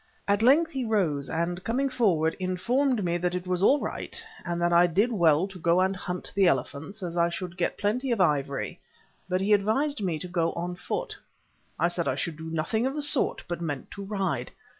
At length he rose, and, coming forward, informed me that it was all right, and that I did well to go and hunt the elephants, as I should get plenty of ivory; but he advised me to go on foot. I said I should do nothing of the sort, but meant to ride.